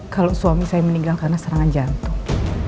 kalau suami saya meninggal karena serangan jantung